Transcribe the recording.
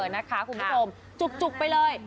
นะคะคุณผู้ชมจุกไปเลย